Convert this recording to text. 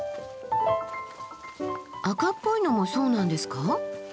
赤っぽいのもそうなんですか？